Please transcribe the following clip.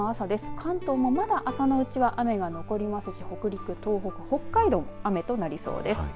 関東もまだ朝のうちは雨が残りますし北陸、東北北海道も雨となりそうです。